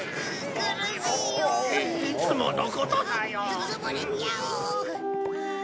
つつぶれちゃう。